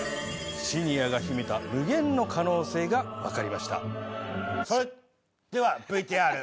シニアが秘めた無限の可能性がわかりました。